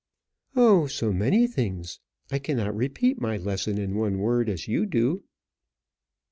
"Oh, so many things! I cannot repeat my lesson in one word, as you do."